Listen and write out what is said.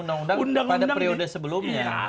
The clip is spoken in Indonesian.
undang undang pada periode sebelumnya